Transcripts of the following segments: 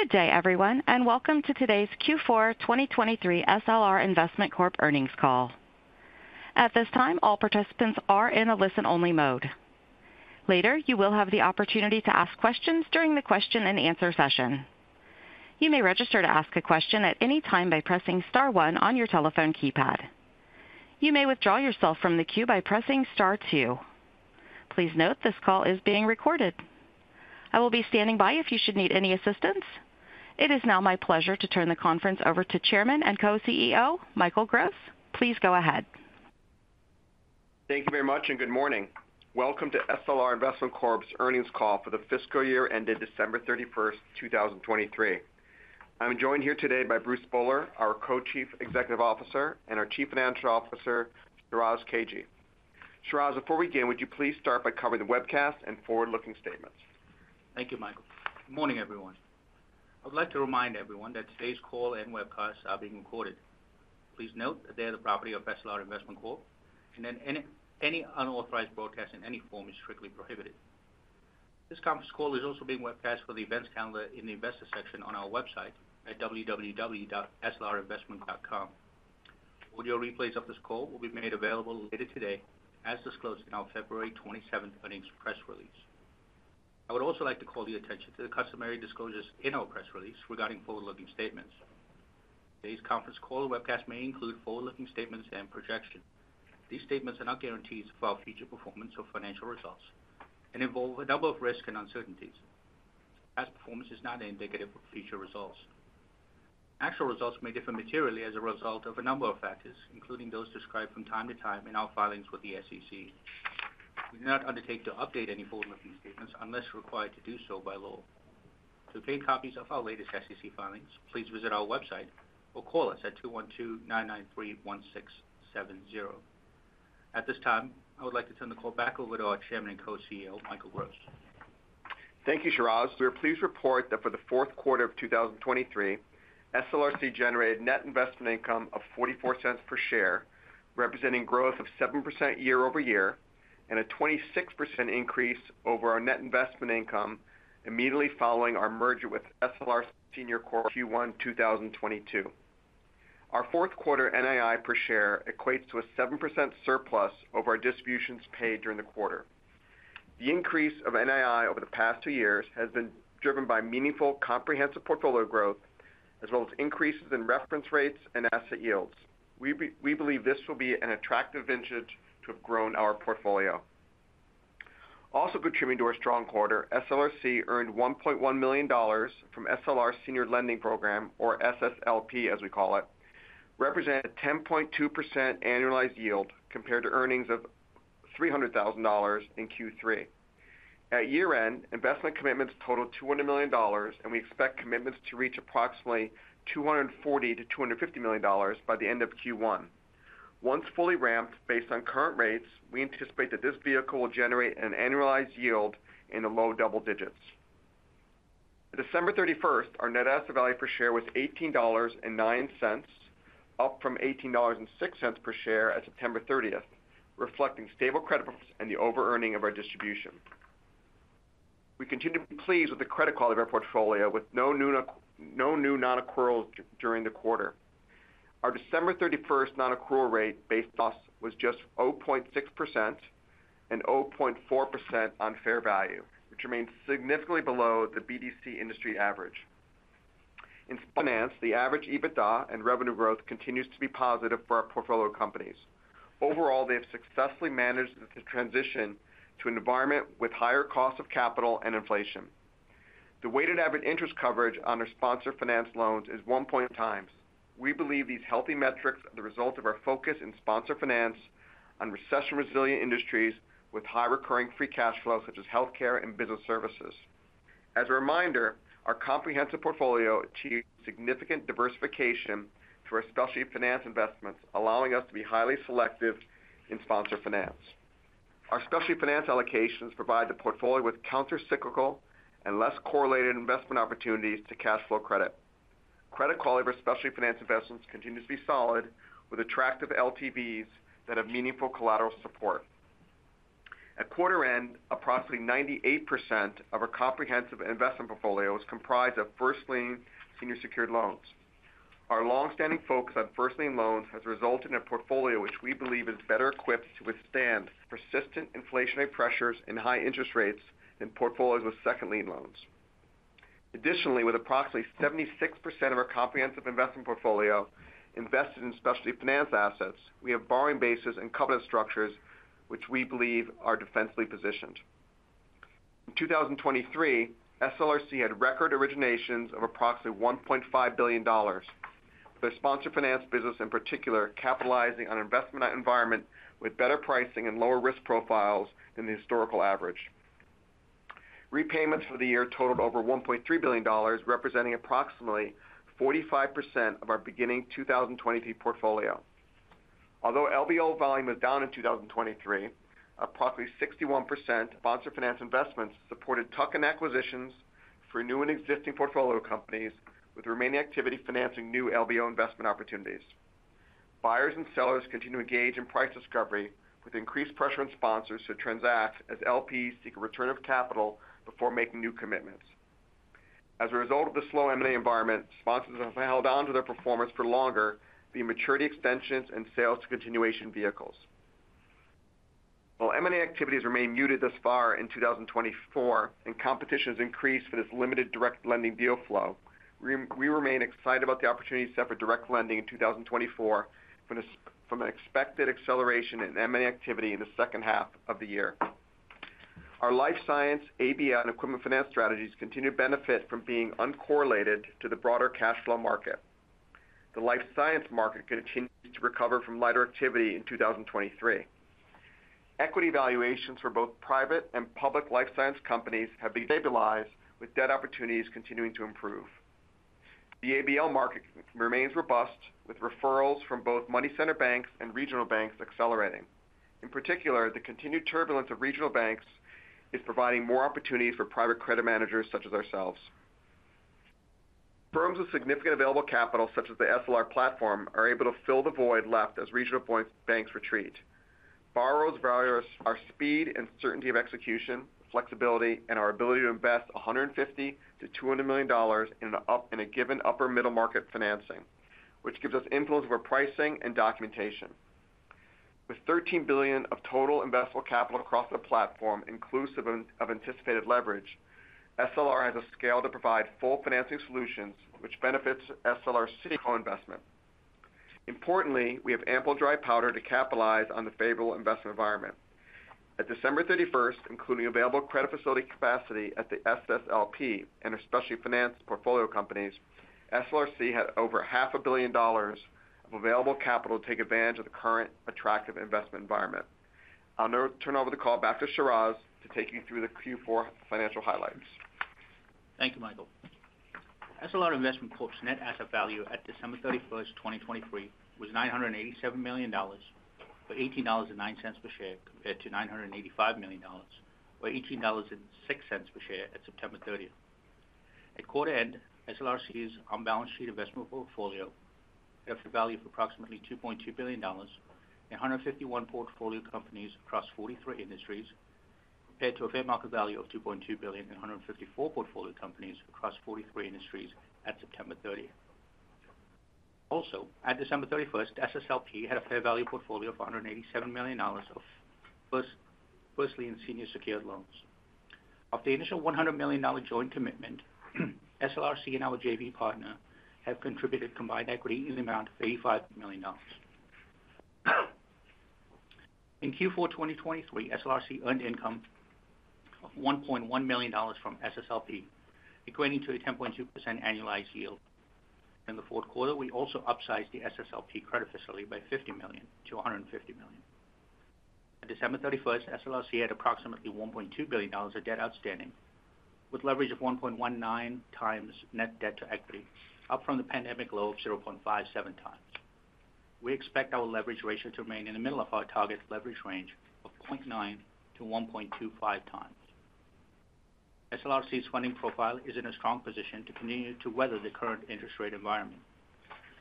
Good day, everyone, and welcome to today's Q4 2023 SLR Investment Corp. earnings call. At this time, all participants are in a listen-only mode. Later, you will have the opportunity to ask questions during the question-and-answer session. You may register to ask a question at any time by pressing star one on your telephone keypad. You may withdraw yourself from the queue by pressing star two. Please note, this call is being recorded. I will be standing by if you should need any assistance. It is now my pleasure to turn the conference over to Chairman and Co-CEO Michael Gross. Please go ahead. Thank you very much, and good morning. Welcome to SLR Investment Corp's earnings call for the fiscal year ended December 31, 2023. I'm joined here today by Bruce Spohler, our Co-Chief Executive Officer, and our Chief Financial Officer, Shiraz Kajee. Shiraz, before we begin, would you please start by covering the webcast and forward-looking statements? Thank you, Michael. Good morning, everyone. I would like to remind everyone that today's call and webcast are being recorded. Please note that they are the property of SLR Investment Corp, and that any unauthorized broadcast in any form is strictly prohibited. This conference call is also being webcast for the events calendar in the investor section on our website at www.slrinvestment.com. Audio replays of this call will be made available later today, as disclosed in our February 27 earnings press release. I would also like to call the attention to the customary disclosures in our press release regarding forward-looking statements. Today's conference call and webcast may include forward-looking statements and projection. These statements are not guarantees of our future performance or financial results and involve a number of risks and uncertainties. Past performance is not indicative of future results. Actual results may differ materially as a result of a number of factors, including those described from time to time in our filings with the SEC. We do not undertake to update any forward-looking statements unless required to do so by law. To obtain copies of our latest SEC filings, please visit our website or call us at 212-993-1670. At this time, I would like to turn the call back over to our Chairman and Co-CEO, Michael Gross. Thank you, Shiraz. We are pleased to report that for the fourth quarter of 2023, SLRC generated net investment income of $0.44 per share, representing growth of 7% year-over-year and a 26% increase over our net investment income immediately following our merger with SLR Senior Corp Q1 2022. Our fourth quarter NII per share equates to a 7% surplus over our distributions paid during the quarter. The increase of NII over the past two years has been driven by meaningful comprehensive portfolio growth, as well as increases in reference rates and asset yields. We believe this will be an attractive vintage to have grown our portfolio. Also, contributing to our strong quarter, SLRC earned $1.1 million from SLR Senior Lending Program, or SSLP as we call it, representing a 10.2% annualized yield compared to earnings of $300,000 in Q3. At year-end, investment commitments totaled $200 million, and we expect commitments to reach approximately $240-$250 million by the end of Q1. Once fully ramped based on current rates, we anticipate that this vehicle will generate an annualized yield in the low double digits. On December 31, our net asset value per share was $18.09, up from $18.06 per share on September 30, reflecting stable credit performance and the over-earning of our distribution. We continue to be pleased with the credit quality of our portfolio, with no new non-accruals during the quarter. Our December 31 non-accrual rate based on loss was just 0.6% and 0.4% on fair value, which remains significantly below the BDC industry average. In finance, the average EBITDA and revenue growth continues to be positive for our portfolio companies. Overall, they have successfully managed the transition to an environment with higher cost of capital and inflation. The weighted average interest coverage on our sponsor finance loans is one times. We believe these healthy metrics are the result of our focus in sponsor finance on recession-resilient industries with high recurring free cash flow such as healthcare and business services. As a reminder, our comprehensive portfolio achieves significant diversification through our specialty finance investments, allowing us to be highly selective in sponsor finance. Our specialty finance allocations provide the portfolio with countercyclical and less correlated investment opportunities to cash flow credit. Credit quality of our specialty finance investments continues to be solid, with attractive LTVs that have meaningful collateral support. At quarter-end, approximately 98% of our comprehensive investment portfolio was comprised of first lien senior secured loans. Our longstanding focus on first lien loans has resulted in a portfolio which we believe is better equipped to withstand persistent inflationary pressures and high interest rates than portfolios with second lien loans. Additionally, with approximately 76% of our comprehensive investment portfolio invested in specialty finance assets, we have borrowing bases and covenant structures which we believe are defensively positioned. In 2023, SLRC had record originations of approximately $1.5 billion, with our sponsor finance business in particular capitalizing on an investment environment with better pricing and lower risk profiles than the historical average. Repayments for the year totaled over $1.3 billion, representing approximately 45% of our beginning 2023 portfolio. Although LBO volume was down in 2023, approximately 61% of sponsor finance investments supported tuck-in acquisitions for new and existing portfolio companies, with remaining activity financing new LBO investment opportunities. Buyers and sellers continue to engage in price discovery, with increased pressure on sponsors to transact as LPs seek a return of capital before making new commitments. As a result of the slow M&A environment, sponsors have held on to their performance for longer via maturity extensions and sales to continuation vehicles. While M&A activities remain muted thus far in 2024 and competition has increased for this limited direct lending deal flow, we remain excited about the opportunities set for direct lending in 2024 from an expected acceleration in M&A activity in the second half of the year. Our life science, ABL, and equipment finance strategies continue to benefit from being uncorrelated to the broader cash flow market. The life science market continues to recover from lighter activity in 2023. Equity valuations for both private and public life science companies have stabilized, with debt opportunities continuing to improve. The ABL market remains robust, with referrals from both money center banks and regional banks accelerating. In particular, the continued turbulence of regional banks is providing more opportunities for private credit managers such as ourselves. Firms with significant available capital, such as the SLR platform, are able to fill the void left as regional banks retreat. Borrowers value our speed and certainty of execution, flexibility, and our ability to invest $150-$200 million in a given upper-middle market financing, which gives us influence over pricing and documentation. With $13 billion of total investable capital across the platform, inclusive of anticipated leverage, SLR has a scale to provide full financing solutions which benefits SLRC co-investment. Importantly, we have ample dry powder to capitalize on the favorable investment environment. At December 31, including available credit facility capacity at the SSLP and our specialty finance portfolio companies, SLRC had over $500 million of available capital to take advantage of the current attractive investment environment. I'll now turn over the call back to Shiraz to take you through the Q4 financial highlights. Thank you, Michael. SLR Investment Corp.'s net asset value at December 31, 2023, was $987 million or $18.09 per share compared to $985 million or $18.06 per share on September 30. At quarter-end, SLRC's balance sheet investment portfolio had a value of approximately $2.2 billion in 151 portfolio companies across 43 industries, compared to a fair market value of $2.2 billion in 154 portfolio companies across 43 industries on September 30. Also, at December 31, SSLP had a fair value portfolio of $187 million of first lien senior secured loans. Of the initial $100 million joint commitment, SLRC and our JV partner have contributed combined equity in the amount of $85 million. In Q4 2023, SLRC earned income of $1.1 million from SSLP, equating to a 10.2% annualized yield. In the fourth quarter, we also upsized the SSLP credit facility by $50 million to $150 million. On December 31, SLRC had approximately $1.2 billion of debt outstanding, with leverage of 1.19 times net debt to equity, up from the pandemic low of 0.57 times. We expect our leverage ratio to remain in the middle of our target leverage range of 0.9-1.25 times. SLRC's funding profile is in a strong position to continue to weather the current interest rate environment.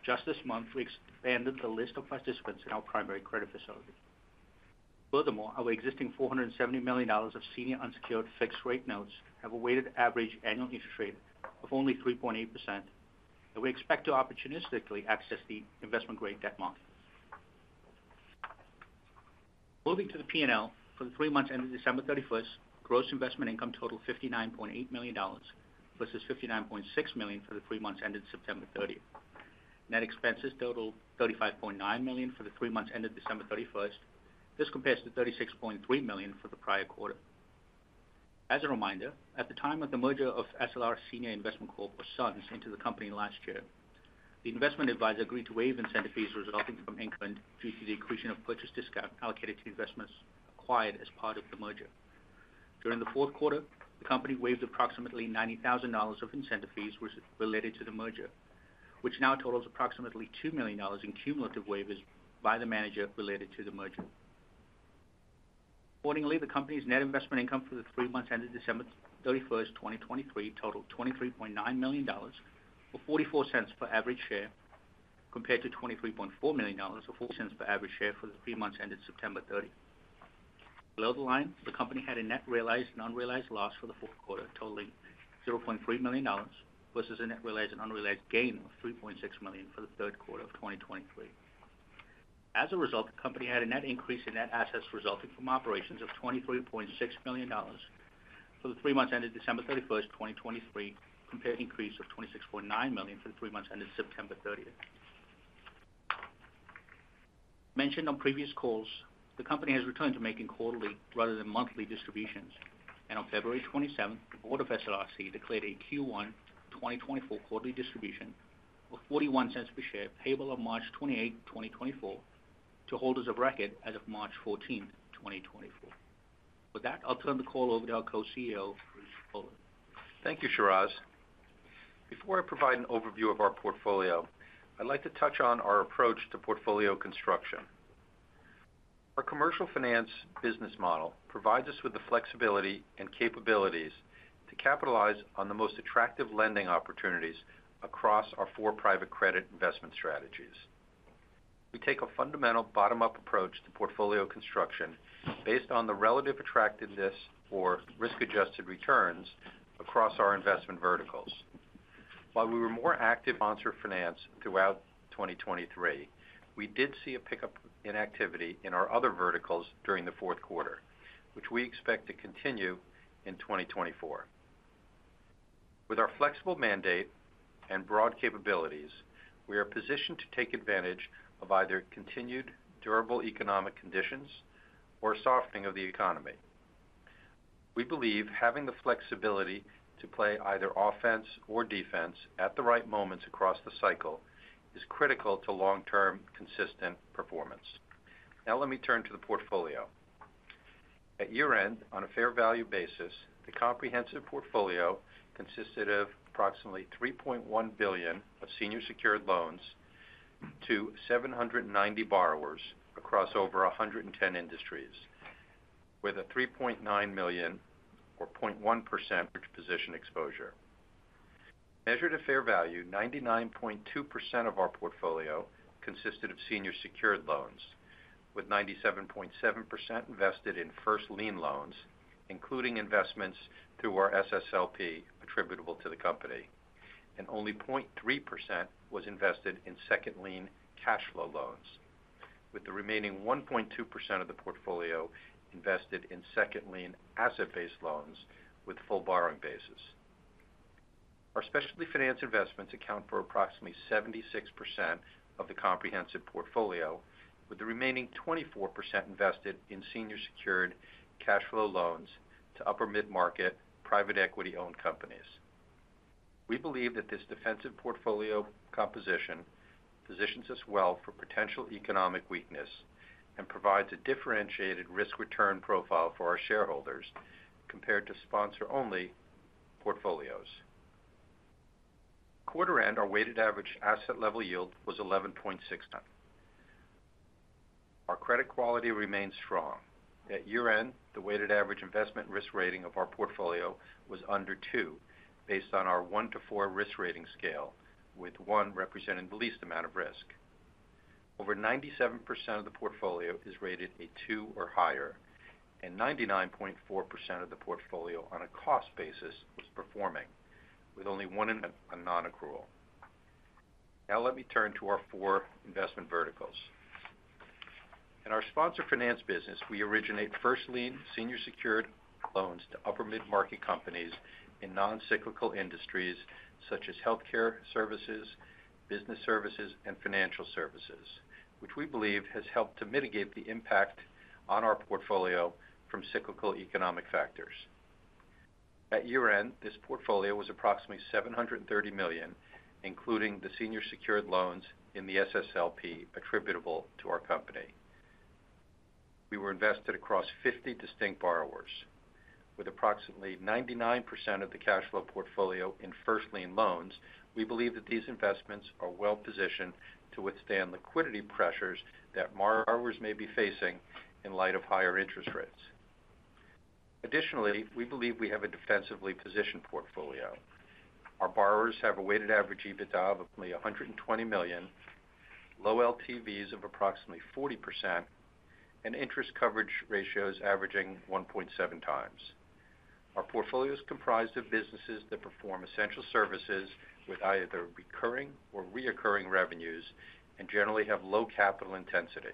Just this month, we expanded the list of participants in our primary credit facility. Furthermore, our existing $470 million of senior unsecured fixed-rate notes have a weighted average annual interest rate of only 3.8%, and we expect to opportunistically access the investment-grade debt market. Moving to the P&L, for the three months ended December 31, gross investment income totaled $59.8 million versus $59.6 million for the three months ended September 30. Net expenses totaled $35.9 million for the three months ended December 31. This compares to $36.3 million for the prior quarter. As a reminder, at the time of the merger of SLR Senior Investment Corp, or SUNS, into the company last year, the investment advisor agreed to waive incentive fees resulting from income due to the accretion of purchase discount allocated to investments acquired as part of the merger. During the fourth quarter, the company waived approximately $90,000 of incentive fees related to the merger, which now totals approximately $2 million in cumulative waivers by the manager related to the merger. Accordingly, the company's net investment income for the three months ended December 31, 2023, totaled $23.9 million or $0.44 per average share, compared to $23.4 million or $0.40 per average share for the three months ended September 30. Below the line, the company had a net realized and unrealized loss for the fourth quarter, totaling $0.3 million, versus a net realized and unrealized gain of $3.6 million for the third quarter of 2023. As a result, the company had a net increase in net assets resulting from operations of $23.6 million for the three months ended December 31, 2023, compared to an increase of $26.9 million for the three months ended September 30. As mentioned on previous calls, the company has returned to making quarterly rather than monthly distributions, and on February 27, the board of SLRC declared a Q1 2024 quarterly distribution of $0.41 per share payable on March 28, 2024, to holders of record as of March 14, 2024. With that, I'll turn the call over to our Co-CEO, Bruce Spohler. Thank you, Shiraz. Before I provide an overview of our portfolio, I'd like to touch on our approach to portfolio construction. Our commercial finance business model provides us with the flexibility and capabilities to capitalize on the most attractive lending opportunities across our four private credit investment strategies. We take a fundamental bottom-up approach to portfolio construction based on the relative attractiveness or risk-adjusted returns across our investment verticals. While we were more active in sponsor finance throughout 2023, we did see a pickup in activity in our other verticals during the fourth quarter, which we expect to continue in 2024. With our flexible mandate and broad capabilities, we are positioned to take advantage of either continued durable economic conditions or softening of the economy. We believe having the flexibility to play either offense or defense at the right moments across the cycle is critical to long-term consistent performance. Now, let me turn to the portfolio. At year-end, on a fair value basis, the comprehensive portfolio consisted of approximately $3.1 billion of senior secured loans to 790 borrowers across over 110 industries, with a $3.9 million or 0.1% position exposure. Measured at fair value, 99.2% of our portfolio consisted of senior secured loans, with 97.7% invested in first lien loans, including investments through our SSLP attributable to the company, and only 0.3% was invested in second lien cash flow loans, with the remaining 1.2% of the portfolio invested in second lien asset-based loans with full borrowing basis. Our specialty finance investments account for approximately 76% of the comprehensive portfolio, with the remaining 24% invested in senior secured cash flow loans to upper-mid market private equity-owned companies. We believe that this defensive portfolio composition positions us well for potential economic weakness and provides a differentiated risk-return profile for our shareholders compared to sponsor-only portfolios. Quarter-end, our weighted average asset-level yield was 11.69. Our credit quality remains strong. At year-end, the weighted average investment risk rating of our portfolio was under 2 based on our 1 to 4 risk rating scale, with 1 representing the least amount of risk. Over 97% of the portfolio is rated a 2 or higher, and 99.4% of the portfolio on a cost basis was performing, with only 1 index of non-accrual. Now, let me turn to our four investment verticals. In our sponsor finance business, we originate first lien senior secured loans to upper-mid market companies in non-cyclical industries such as healthcare services, business services, and financial services, which we believe has helped to mitigate the impact on our portfolio from cyclical economic factors. At year-end, this portfolio was approximately $730 million, including the senior secured loans in the SSLP attributable to our company. We were invested across 50 distinct borrowers. With approximately 99% of the cash flow portfolio in first lien loans, we believe that these investments are well positioned to withstand liquidity pressures that borrowers may be facing in light of higher interest rates. Additionally, we believe we have a defensively positioned portfolio. Our borrowers have a weighted average EBITDA of only $120 million, low LTVs of approximately 40%, and interest coverage ratios averaging 1.7 times. Our portfolio is comprised of businesses that perform essential services with either recurring or recurring revenues and generally have low capital intensity.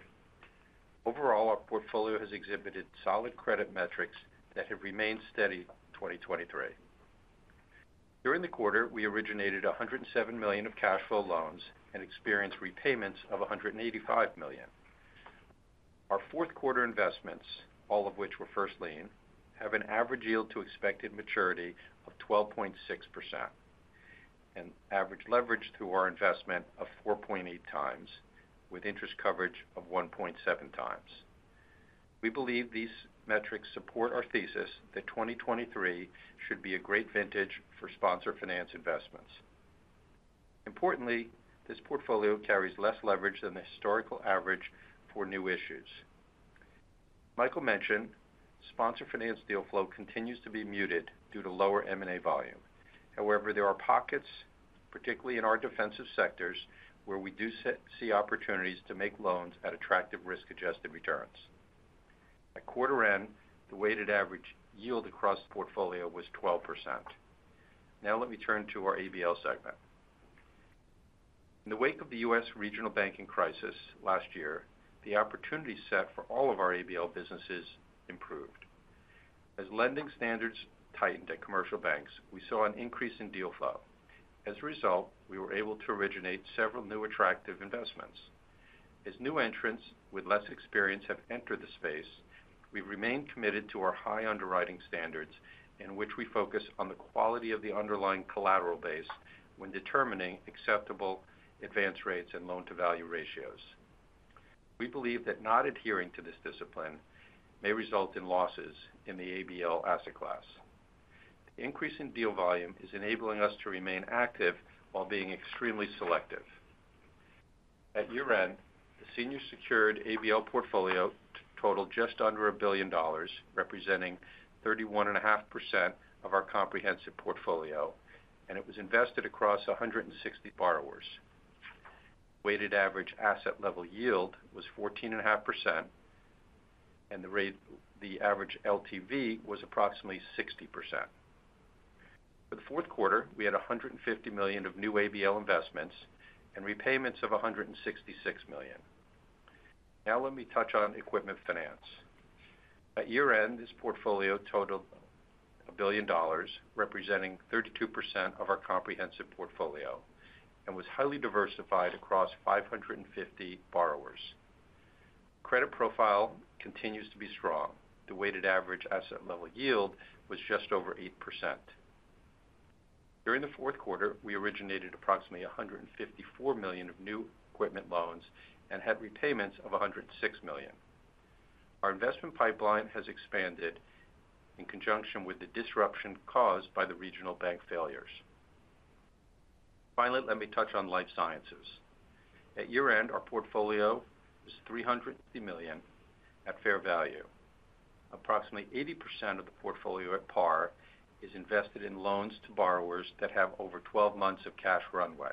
Overall, our portfolio has exhibited solid credit metrics that have remained steady in 2023. During the quarter, we originated $107 million of cash flow loans and experienced repayments of $185 million. Our fourth quarter investments, all of which were First Lien, have an average yield to expected maturity of 12.6% and average leverage through our investment of 4.8x, with interest coverage of 1.7x. We believe these metrics support our thesis that 2023 should be a great vintage for sponsor finance investments. Importantly, this portfolio carries less leverage than the historical average for new issues. Michael mentioned sponsor finance deal flow continues to be muted due to lower M&A volume. However, there are pockets, particularly in our defensive sectors, where we do see opportunities to make loans at attractive risk-adjusted returns. At quarter-end, the weighted average yield across the portfolio was 12%. Now, let me turn to our ABL segment. In the wake of the U.S. regional banking crisis last year, the opportunity set for all of our ABL businesses improved. As lending standards tightened at commercial banks, we saw an increase in deal flow. As a result, we were able to originate several new attractive investments. As new entrants with less experience have entered the space, we've remained committed to our high underwriting standards, in which we focus on the quality of the underlying collateral base when determining acceptable advance rates and loan-to-value ratios. We believe that not adhering to this discipline may result in losses in the ABL asset class. The increase in deal volume is enabling us to remain active while being extremely selective. At year-end, the senior secured ABL portfolio totaled just under $1 billion, representing 31.5% of our comprehensive portfolio, and it was invested across 160 borrowers. Weighted average asset-level yield was 14.5%, and the average LTV was approximately 60%. For the fourth quarter, we had $150 million of new ABL investments and repayments of $166 million. Now, let me touch on equipment finance. At year-end, this portfolio totaled $1 billion, representing 32% of our comprehensive portfolio, and was highly diversified across 550 borrowers. Credit profile continues to be strong. The weighted average asset-level yield was just over 8%. During the fourth quarter, we originated approximately $154 million of new equipment loans and had repayments of $106 million. Our investment pipeline has expanded in conjunction with the disruption caused by the regional bank failures. Finally, let me touch on life sciences. At year-end, our portfolio was $350 million at fair value. Approximately 80% of the portfolio at par is invested in loans to borrowers that have over 12 months of cash runway.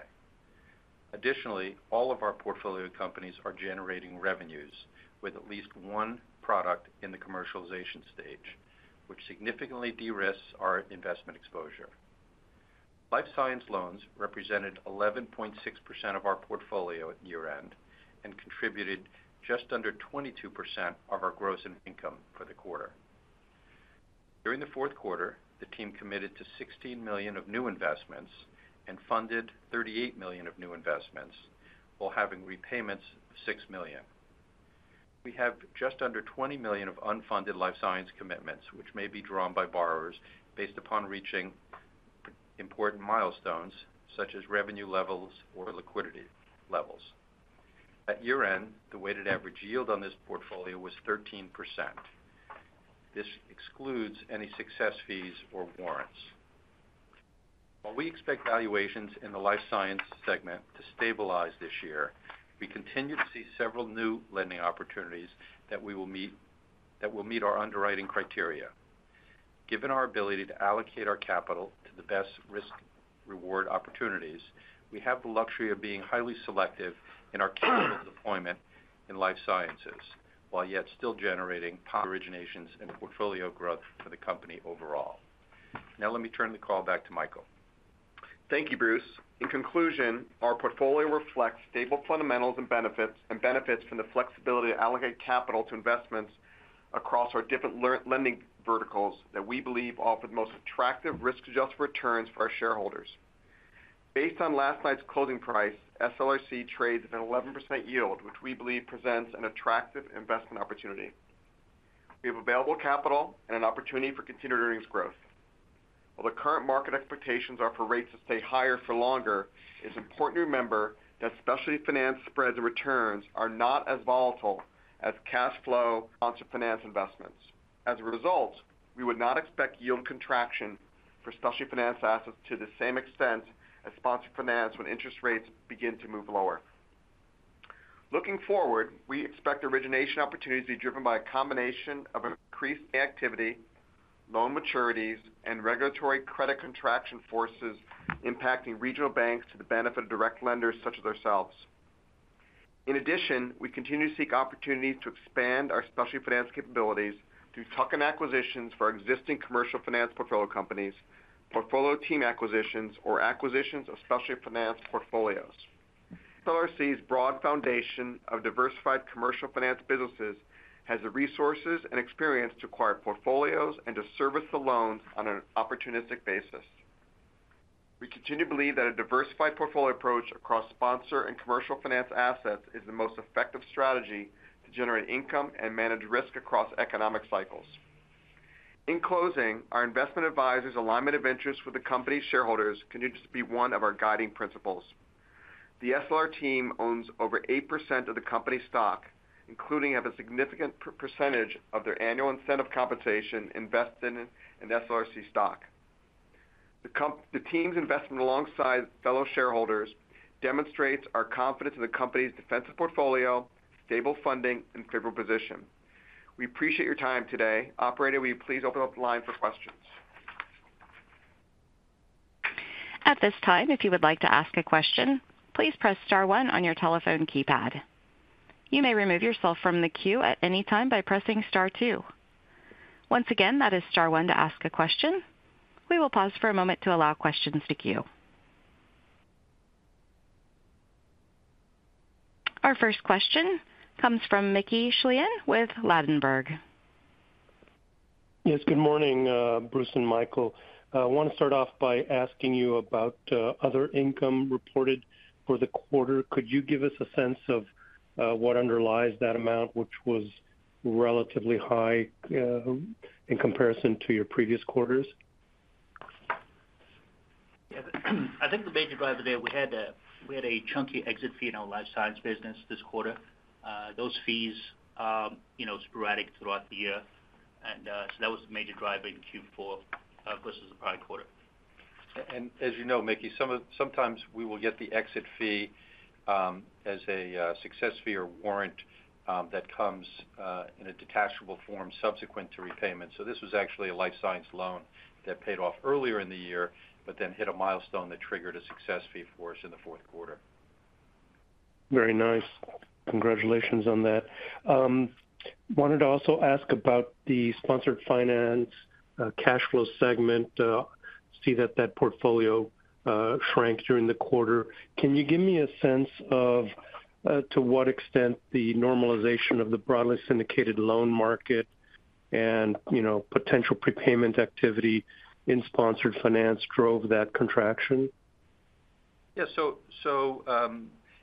Additionally, all of our portfolio companies are generating revenues with at least one product in the commercialization stage, which significantly de-risks our investment exposure. Life science loans represented 11.6% of our portfolio at year-end and contributed just under 22% of our gross income for the quarter. During the fourth quarter, the team committed to $16 million of new investments and funded $38 million of new investments, while having repayments of $6 million. We have just under $20 million of unfunded life science commitments, which may be drawn by borrowers based upon reaching important milestones such as revenue levels or liquidity levels. At year-end, the weighted average yield on this portfolio was 13%. This excludes any success fees or warrants. While we expect valuations in the life science segment to stabilize this year, we continue to see several new lending opportunities that will meet our underwriting criteria. Given our ability to allocate our capital to the best risk-reward opportunities, we have the luxury of being highly selective in our capital deployment in life sciences, while yet still generating potential originations and portfolio growth for the company overall. Now, let me turn the call back to Michael. Thank you, Bruce. In conclusion, our portfolio reflects stable fundamentals and benefits from the flexibility to allocate capital to investments across our different lending verticals that we believe offer the most attractive risk-adjusted returns for our shareholders. Based on last night's closing price, SLRC trades at an 11% yield, which we believe presents an attractive investment opportunity. We have available capital and an opportunity for continued earnings growth. While the current market expectations are for rates to stay higher for longer, it's important to remember that specialty finance spreads and returns are not as volatile as cash flow sponsor finance investments. As a result, we would not expect yield contraction for specialty finance assets to the same extent as sponsor finance when interest rates begin to move lower. Looking forward, we expect origination opportunities to be driven by a combination of increased inactivity, loan maturities, and regulatory credit contraction forces impacting regional banks to the benefit of direct lenders such as ourselves. In addition, we continue to seek opportunities to expand our specialty finance capabilities through tuck-in acquisitions for existing commercial finance portfolio companies, portfolio team acquisitions, or acquisitions of specialty finance portfolios. SLRC's broad foundation of diversified commercial finance businesses has the resources and experience to acquire portfolios and to service the loans on an opportunistic basis. We continue to believe that a diversified portfolio approach across sponsor and commercial finance assets is the most effective strategy to generate income and manage risk across economic cycles. In closing, our investment advisor's alignment of interests with the company's shareholders continues to be one of our guiding principles. The SLR team owns over 8% of the company's stock, including a significant percentage of their annual incentive compensation invested in SLRC stock. The team's investment alongside fellow shareholders demonstrates our confidence in the company's defensive portfolio, stable funding, and favorable position. We appreciate your time today. Operator, will you please open up the line for questions? At this time, if you would like to ask a question, please press star 1 on your telephone keypad. You may remove yourself from the queue at any time by pressing star 2. Once again, that is star 1 to ask a question. We will pause for a moment to allow questions to queue. Our first question comes from Mickey Schleien with Ladenburg. Yes, good morning, Bruce and Michael. I want to start off by asking you about other income reported for the quarter. Could you give us a sense of what underlies that amount, which was relatively high in comparison to your previous quarters? I think the major driver there we had a chunky exit fee in our life science business this quarter. Those fees are sporadic throughout the year, and so that was the major driver in Q4 versus the prior quarter. As you know, Mickey, sometimes we will get the exit fee as a success fee or warrant that comes in a detachable form subsequent to repayments. So this was actually a life science loan that paid off earlier in the year but then hit a milestone that triggered a success fee for us in the fourth quarter. Very nice. Congratulations on that. Wanted to also ask about the sponsored finance cash flow segment. I see that that portfolio shrank during the quarter. Can you give me a sense of to what extent the normalization of the broadly syndicated loan market and potential prepayment activity in sponsored finance drove that contraction? Yeah, so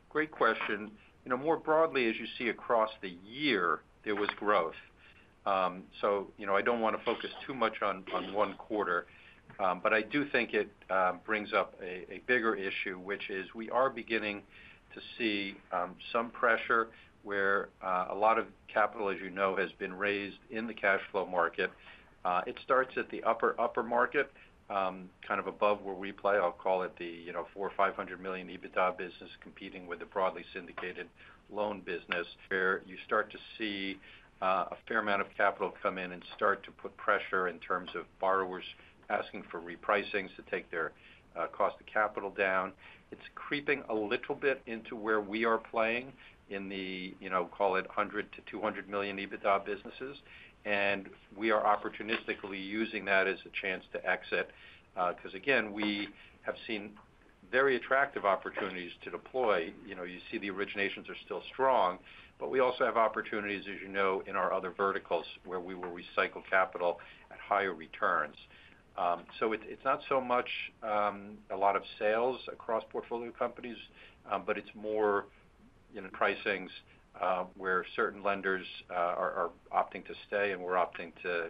great question. More broadly, as you see across the year, there was growth. So I don't want to focus too much on one quarter, but I do think it brings up a bigger issue, which is we are beginning to see some pressure where a lot of capital, as you know, has been raised in the cash flow market. It starts at the upper market, kind of above where we play. I'll call it the four or 500 million EBITDA business competing with the broadly syndicated loan business. Where you start to see a fair amount of capital come in and start to put pressure in terms of borrowers asking for repricings to take their cost of capital down. It's creeping a little bit into where we are playing in the, call it, 100-200 million EBITDA businesses, and we are opportunistically using that as a chance to exit because, again, we have seen very attractive opportunities to deploy. You see the originations are still strong, but we also have opportunities, as you know, in our other verticals where we will recycle capital at higher returns. So it's not so much a lot of sales across portfolio companies, but it's more pricings where certain lenders are opting to stay and we're opting to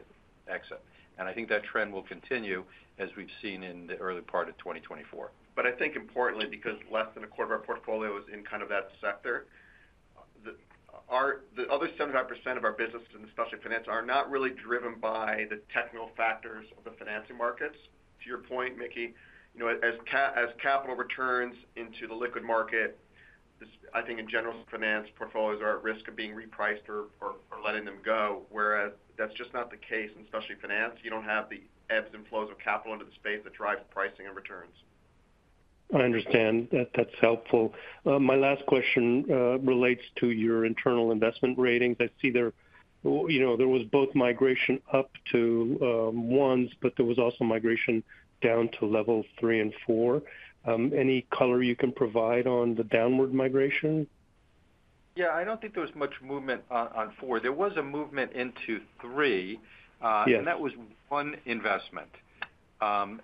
exit. And I think that trend will continue as we've seen in the early part of 2024. But I think importantly, because less than a quarter of our portfolio is in kind of that sector, the other 75% of our business in specialty finance are not really driven by the technical factors of the financing markets. To your point, Mickey, as capital returns into the liquid market, I think in general, finance portfolios are at risk of being repriced or letting them go, whereas that's just not the case in specialty finance. You don't have the ebbs and flows of capital into the space that drives pricing and returns. I understand. That's helpful. My last question relates to your internal investment ratings. I see there was both migration up to ones, but there was also migration down to level three and four. Any color you can provide on the downward migration? Yeah, I don't think there was much movement on 4. There was a movement into 3, and that was one investment. What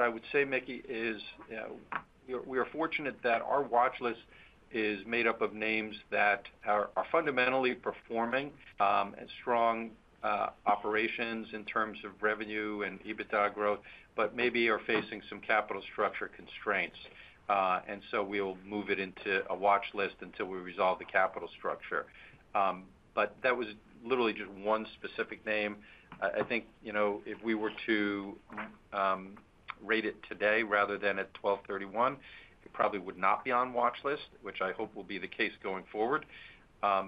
I would say, Mickey, is we are fortunate that our watchlist is made up of names that are fundamentally performing and strong operations in terms of revenue and EBITDA growth but maybe are facing some capital structure constraints. So we'll move it into a watchlist until we resolve the capital structure. But that was literally just one specific name. I think if we were to rate it today rather than at 12/31, it probably would not be on watchlist, which I hope will be the case going forward.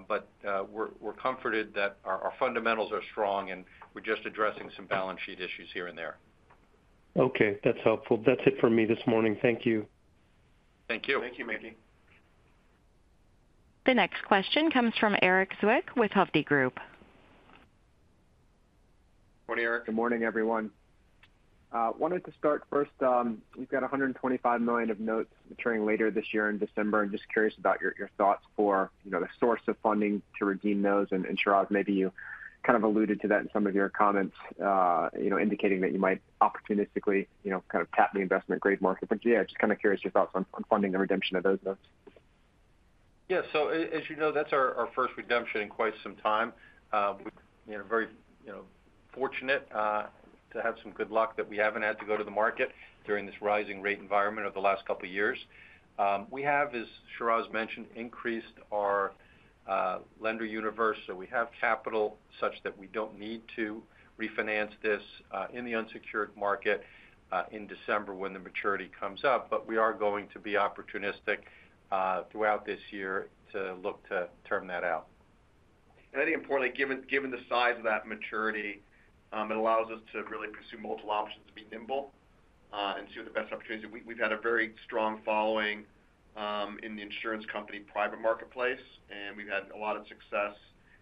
But we're comforted that our fundamentals are strong, and we're just addressing some balance sheet issues here and there. Okay. That's helpful. That's it for me this morning. Thank you. Thank you. Thank you, Mickey. The next question comes from Erik Zwick with Hovde Group. Morning, Eric. Good morning, everyone. Wanted to start first. We've got $125 million of notes maturing later this year in December, and just curious about your thoughts for the source of funding to redeem those. And Shiraz, maybe you kind of alluded to that in some of your comments, indicating that you might opportunistically kind of tap the investment grade market. But yeah, just kind of curious your thoughts on funding the redemption of those notes. Yeah, so as you know, that's our first redemption in quite some time. We're very fortunate to have some good luck that we haven't had to go to the market during this rising rate environment of the last couple of years. We have, as Shiraz mentioned, increased our lender universe. So we have capital such that we don't need to refinance this in the unsecured market in December when the maturity comes up, but we are going to be opportunistic throughout this year to look to term that out. And I think importantly, given the size of that maturity, it allows us to really pursue multiple options and be nimble and see what the best opportunities are. We've had a very strong following in the insurance company private marketplace, and we've had a lot of success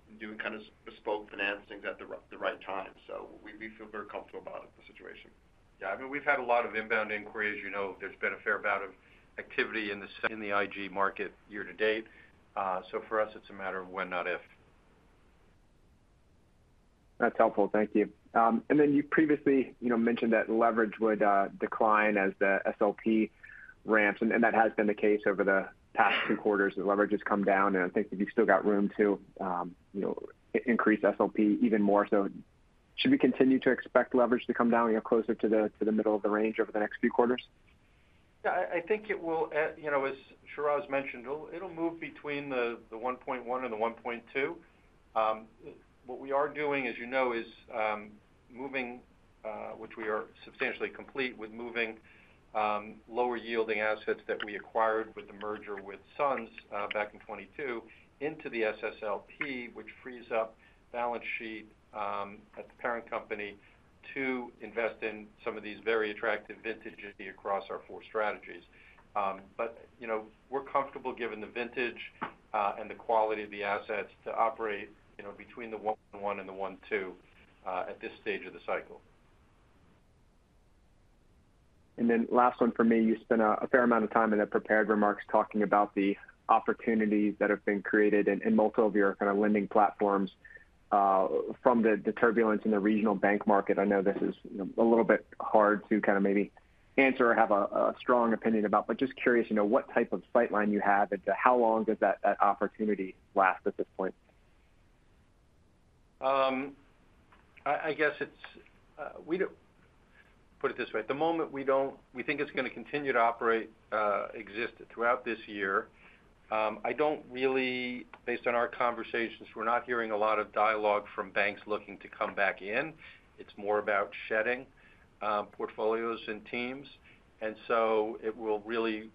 in doing kind of bespoke financings at the right time. So we feel very comfortable about the situation. Yeah, I mean, we've had a lot of inbound inquiries. As you know, there's been a fair amount of activity in the IG market year to date. So for us, it's a matter of when, not if. That's helpful. Thank you. And then you previously mentioned that leverage would decline as the SLP ramps, and that has been the case over the past two quarters. The leverage has come down, and I think that you've still got room to increase SLP even more. So should we continue to expect leverage to come down closer to the middle of the range over the next few quarters? Yeah, I think it will, as Shiraz mentioned, it'll move between 1.1 and 1.2. What we are doing, as you know, is moving, which we are substantially complete with moving lower-yielding assets that we acquired with the merger with SUNS back in 2022 into the SSLP, which frees up balance sheet at the parent company to invest in some of these very attractive vintages across our four strategies. But we're comfortable, given the vintage and the quality of the assets, to operate between 1.1 and 1.2 at this stage of the cycle. And then last one for me. You spent a fair amount of time in the prepared remarks talking about the opportunities that have been created in multiple of your kind of lending platforms from the turbulence in the regional bank market. I know this is a little bit hard to kind of maybe answer or have a strong opinion about, but just curious what type of sightline you have as to how long does that opportunity last at this point? I guess it's put it this way. At the moment, we think it's going to continue to operate throughout this year. I don't really, based on our conversations, we're not hearing a lot of dialogue from banks looking to come back in. It's more about shedding portfolios and teams. And so it will really,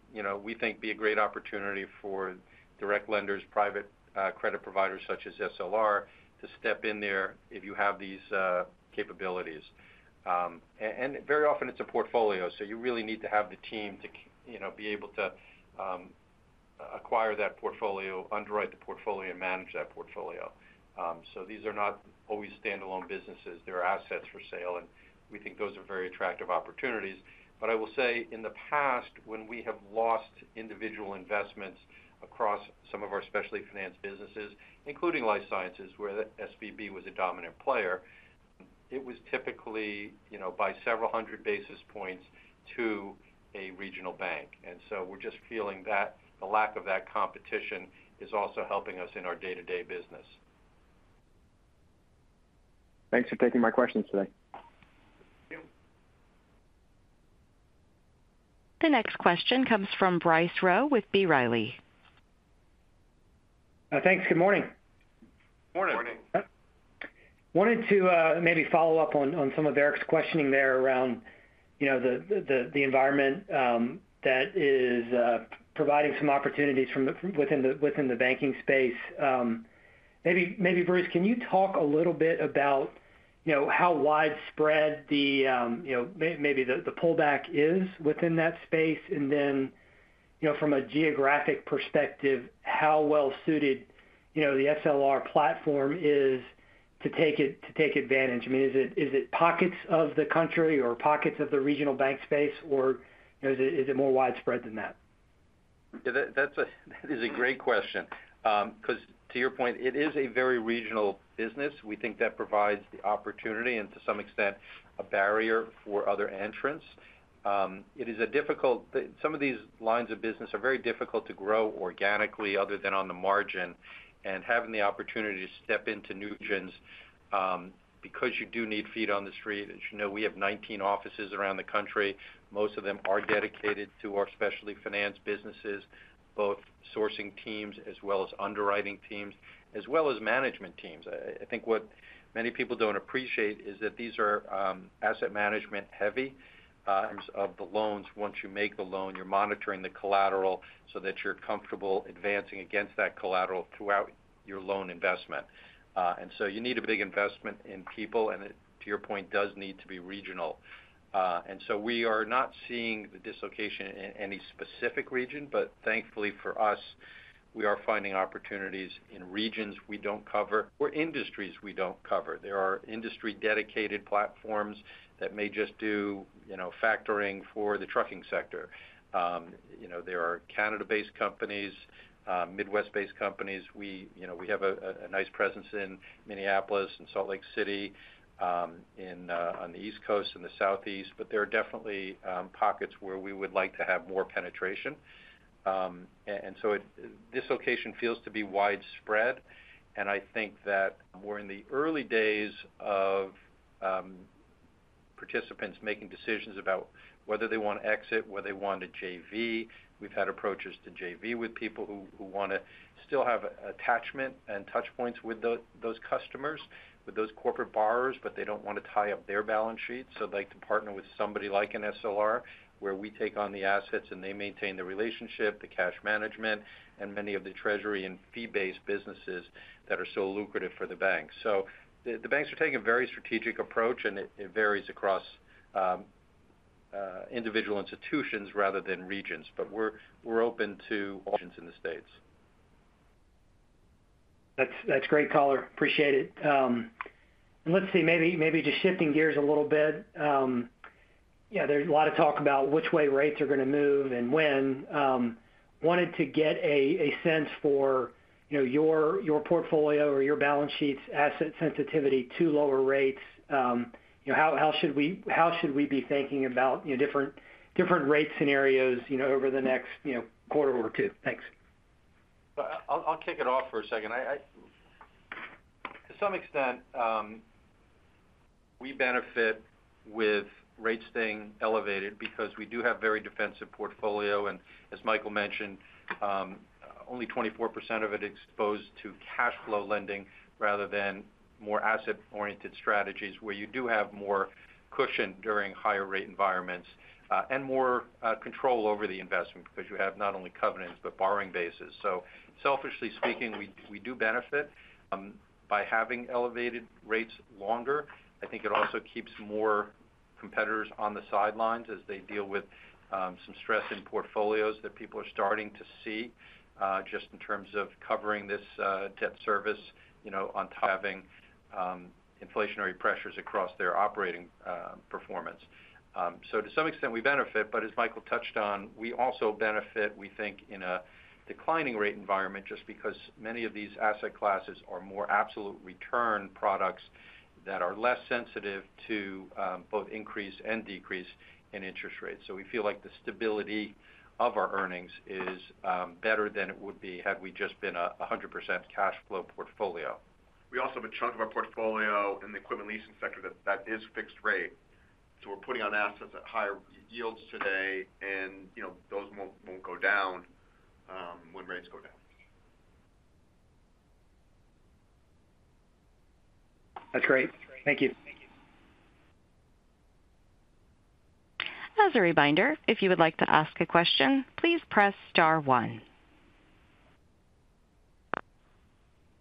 we think, be a great opportunity for direct lenders, private credit providers such as SLR, to step in there if you have these capabilities. And very often, it's a portfolio, so you really need to have the team to be able to acquire that portfolio, underwrite the portfolio, and manage that portfolio. So these are not always standalone businesses. There are assets for sale, and we think those are very attractive opportunities. But I will say, in the past, when we have lost individual investments across some of our specialty finance businesses, including life sciences, where the SVB was a dominant player, it was typically by several hundred basis points to a regional bank. And so we're just feeling that the lack of that competition is also helping us in our day-to-day business. Thanks for taking my questions today. The next question comes from Bryce Rowe with B. Riley. Thanks. Good morning. Morning. Morning. Wanted to maybe follow up on some of Eric's questioning there around the environment that is providing some opportunities within the banking space. Maybe, Bruce, can you talk a little bit about how widespread maybe the pullback is within that space? And then from a geographic perspective, how well-suited the SLR platform is to take advantage? I mean, is it pockets of the country or pockets of the regional bank space, or is it more widespread than that? Yeah, that is a great question because, to your point, it is a very regional business. We think that provides the opportunity and, to some extent, a barrier for other entrants. It is difficult. Some of these lines of business are very difficult to grow organically other than on the margin. And having the opportunity to step into new regions because you do need feet on the street, as you know, we have 19 offices around the country. Most of them are dedicated to our specialty finance businesses, both sourcing teams as well as underwriting teams as well as management teams. I think what many people don't appreciate is that these are asset management-heavy in terms of the loans. Once you make the loan, you're monitoring the collateral so that you're comfortable advancing against that collateral throughout your loan investment. And so you need a big investment in people, and to your point, does need to be regional. And so we are not seeing the dislocation in any specific region, but thankfully for us, we are finding opportunities in regions we don't cover or industries we don't cover. There are industry-dedicated platforms that may just do factoring for the trucking sector. There are Canada-based companies, Midwest-based companies. We have a nice presence in Minneapolis and Salt Lake City, on the East Coast, in the Southeast, but there are definitely pockets where we would like to have more penetration. And so dislocation feels to be widespread, and I think that we're in the early days of participants making decisions about whether they want to exit, whether they want to JV. We've had approaches to JV with people who want to still have attachment and touchpoints with those customers, with those corporate borrowers, but they don't want to tie up their balance sheet. So they'd like to partner with somebody like an SLR where we take on the assets and they maintain the relationship, the cash management, and many of the treasury and fee-based businesses that are so lucrative for the bank. So the banks are taking a very strategic approach, and it varies across individual institutions rather than regions, but we're open to all regions in the States. That's great, Caller. Appreciate it. And let's see, maybe just shifting gears a little bit. Yeah, there's a lot of talk about which way rates are going to move and when. Wanted to get a sense for your portfolio or your balance sheet's asset sensitivity to lower rates. How should we be thinking about different rate scenarios over the next quarter or two? Thanks. I'll kick it off for a second. To some extent, we benefit with rates staying elevated because we do have very defensive portfolio and, as Michael mentioned, only 24% of it exposed to cash flow lending rather than more asset-oriented strategies where you do have more cushion during higher-rate environments and more control over the investment because you have not only covenants but borrowing bases. So selfishly speaking, we do benefit by having elevated rates longer. I think it also keeps more competitors on the sidelines as they deal with some stress in portfolios that people are starting to see just in terms of covering this debt service on top of having inflationary pressures across their operating performance. So to some extent, we benefit, but as Michael touched on, we also benefit, we think, in a declining-rate environment just because many of these asset classes are more absolute return products that are less sensitive to both increase and decrease in interest rates. So we feel like the stability of our earnings is better than it would be had we just been a 100% cash flow portfolio. We also have a chunk of our portfolio in the equipment leasing sector that is fixed rate. We're putting on assets at higher yields today, and those won't go down when rates go down. That's great. Thank you. As a reminder, if you would like to ask a question, please press star one.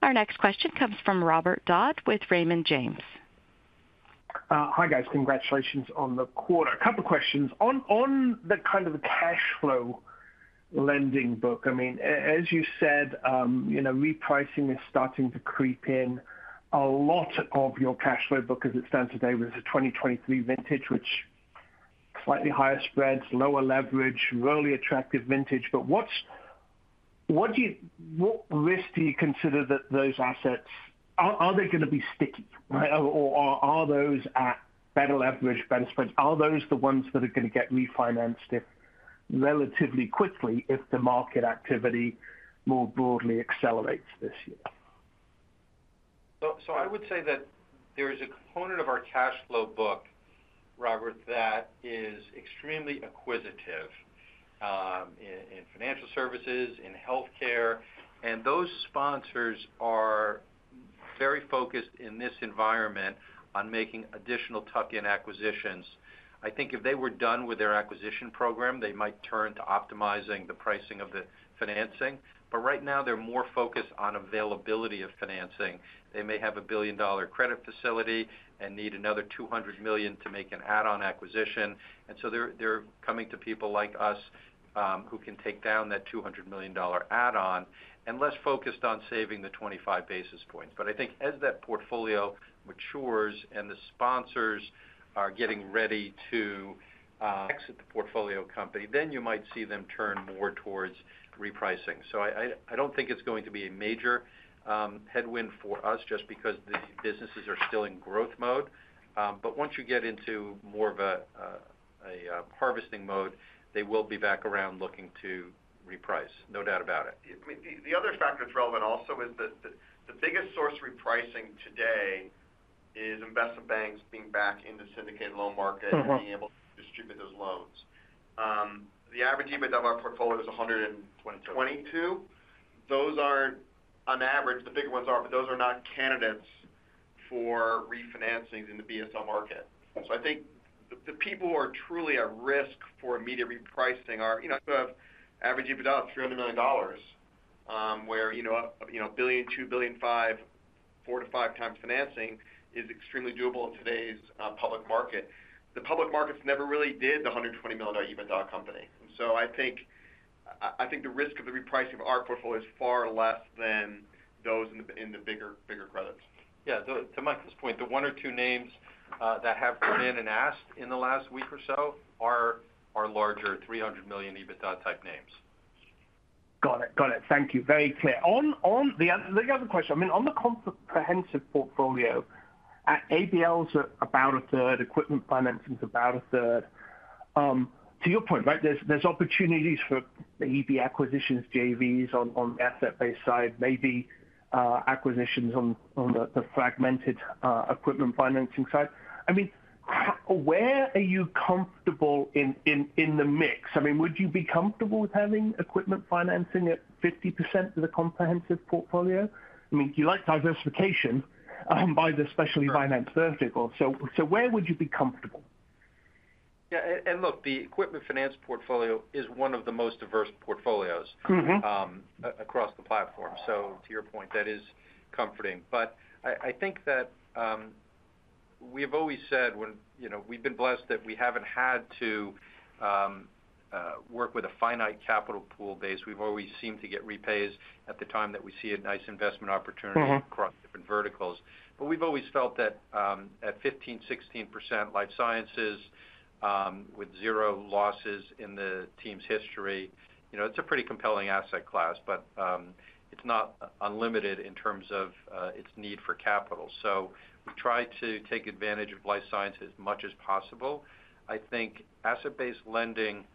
Our next question comes from Robert Dodd with Raymond James. Hi, guys. Congratulations on the quarter. A couple of questions. On the kind of the cash flow lending book, I mean, as you said, repricing is starting to creep in a lot of your cash flow book as it stands today. It was a 2023 vintage, which slightly higher spreads, lower leverage, really attractive vintage. But what risk do you consider that those assets are they going to be sticky, right? Or are those at better leverage, better spreads? Are those the ones that are going to get refinanced relatively quickly if the market activity more broadly accelerates this year? So I would say that there's a component of our cash flow book, Robert, that is extremely acquisitive in financial services, in healthcare, and those sponsors are very focused in this environment on making additional tuck-in acquisitions. I think if they were done with their acquisition program, they might turn to optimizing the pricing of the financing. But right now, they're more focused on availability of financing. They may have a billion-dollar credit facility and need another $200 million to make an add-on acquisition. And so they're coming to people like us who can take down that $200 million add-on and less focused on saving the 25 basis points. But I think as that portfolio matures and the sponsors are getting ready to exit the portfolio company, then you might see them turn more towards repricing. I don't think it's going to be a major headwind for us just because the businesses are still in growth mode. But once you get into more of a harvesting mode, they will be back around looking to reprice, no doubt about it. I mean, the other factor that's relevant also is that the biggest source of repricing today is investment banks being back in the syndicated loan market and being able to distribute those loans. The average EBITDA of our portfolio is $122 million. Those aren't, on average, the bigger ones are, but those are not candidates for refinancings in the BSL market. So I think the people who are truly at risk for immediate repricing are you have average EBITDA of $300 million where $1 billion, $2 billion, $5 billion, 4-5x2 financing is extremely doable in today's public market. The public markets never really did the $120 million EBITDA company. And so I think the risk of the repricing of our portfolio is far less than those in the bigger credits. Yeah. To Michael's point, the one or two names that have come in and asked in the last week or so are larger $300 million EBITDA type names. Got it. Got it. Thank you. Very clear. The other question, I mean, on the comprehensive portfolio, ABL's about a third, equipment financing's about a third. To your point, right, there's opportunities for the EB acquisitions, JVs on the asset-based side, maybe acquisitions on the fragmented equipment financing side. I mean, where are you comfortable in the mix? I mean, would you be comfortable with having equipment financing at 50% of the comprehensive portfolio? I mean, you like diversification by the specialty finance vertical. So where would you be comfortable? Yeah. And look, the equipment finance portfolio is one of the most diverse portfolios across the platform. So to your point, that is comforting. But I think that we have always said when we've been blessed that we haven't had to work with a finite capital pool base. We've always seemed to get repays at the time that we see a nice investment opportunity across different verticals. But we've always felt that at 15%-16%, life sciences with zero losses in the team's history, it's a pretty compelling asset class, but it's not unlimited in terms of its need for capital. So we've tried to take advantage of life sciences as much as possible. I think asset-based lending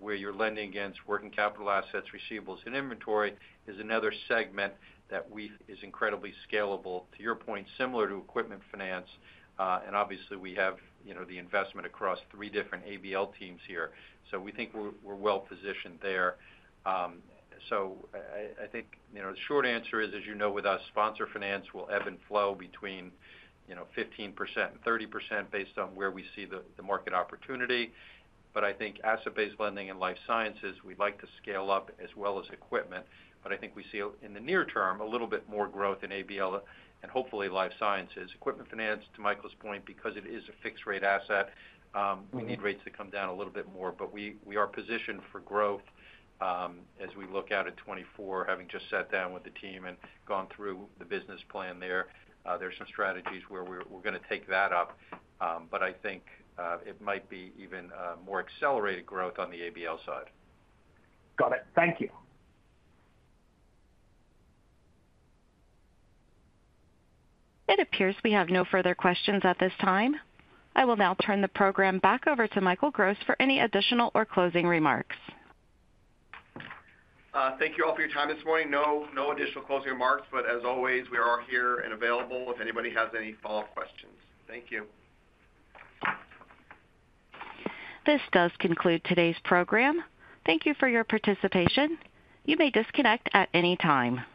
where you're lending against working capital assets, receivables, and inventory is another segment that is incredibly scalable, to your point, similar to equipment finance. Obviously, we have the investment across three different ABL teams here. So we think we're well-positioned there. So I think the short answer is, as you know with us, sponsor finance will ebb and flow between 15%-30% based on where we see the market opportunity. But I think asset-based lending and life sciences, we'd like to scale up as well as equipment. But I think we see, in the near term, a little bit more growth in ABL and hopefully life sciences. Equipment finance, to Michael's point, because it is a fixed-rate asset, we need rates to come down a little bit more. But we are positioned for growth as we look out at 2024, having just sat down with the team and gone through the business plan there. There's some strategies where we're going to take that up. But I think it might be even more accelerated growth on the ABL side. Got it. Thank you. It appears we have no further questions at this time. I will now turn the program back over to Michael Gross for any additional or closing remarks. Thank you all for your time this morning. No additional closing remarks, but as always, we are here and available if anybody has any follow-up questions. Thank you. This does conclude today's program. Thank you for your participation. You may disconnect at any time.